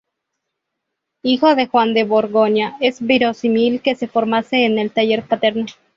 Hijo de Juan de Borgoña, es verosímil que se formase en el taller paterno.